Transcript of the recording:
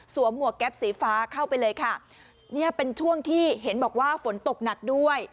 หมวกแก๊ปสีฟ้าเข้าไปเลยค่ะเนี่ยเป็นช่วงที่เห็นบอกว่าฝนตกหนักด้วย